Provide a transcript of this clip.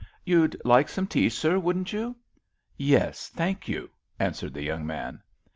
"You'd like some tea, sir, wouldn't you?" "Yes, thank you," answered the young man.